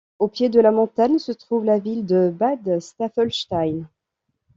Au pied de la montagne se trouve la ville de Bad Staffelstein.